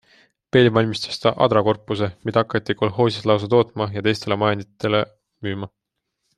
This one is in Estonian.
Veel valmistas ta adrakorpuse, mida hakati kolhoosis lausa tootma ja teistele majanditele müüma.